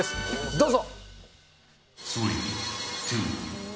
どうぞ。